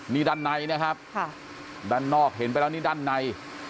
นี่ด้านในนะครับด้านนอกเห็นไปแล้วนี่ด้านใน